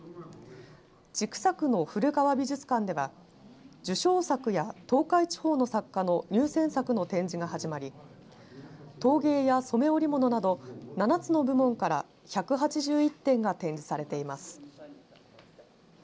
千種区の古川美術館では受賞作や東海地方の作家の入選作の展示が始まり陶芸や染め織物など７つの部門から１８１点が展示されています。